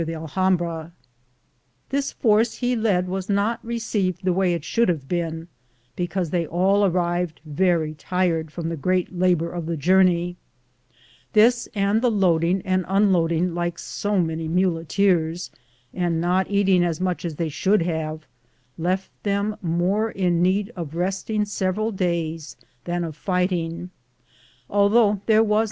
The force he led was not received the way it should have been, because they all arrived very tired from the great labor of the journey. This, and the loading and unload ing like so many muleteers, and not eating as much as they should have, left them more in need of resting several days than of fight ing, although there was not a man in the 1 A part of Granada, near the Alhambra.